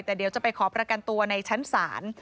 แต่เดี๋ยวจะไปขอประกันตัวในชั้นศาล